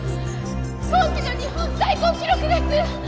今季の日本最高記録です！